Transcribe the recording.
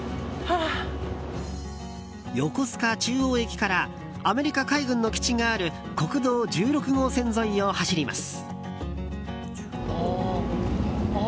横須賀中央駅からアメリカ海軍の基地がある国道１６号線沿いを走ります。